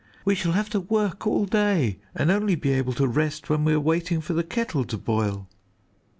We shall have to work all day, and only be able to rest when we are waiting for the kettle to boil!"